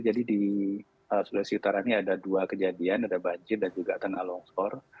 jadi di sulawesi utara ini ada dua kejadian ada banjir dan juga tenaga longsor